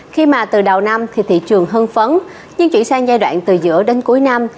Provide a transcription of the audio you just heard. khi mà từ đầu năm thì thị trường hơn phấn nhưng chuyển sang giai đoạn từ giữa đến cuối năm